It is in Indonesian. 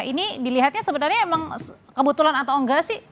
ini dilihatnya sebenarnya emang kebetulan atau enggak sih